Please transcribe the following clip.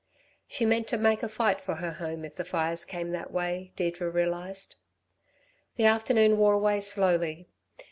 She meant to make a fight for her home if the fires came that way, Deirdre realised. The afternoon wore away slowly.